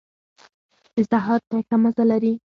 د سهار چای ښه مزه لري.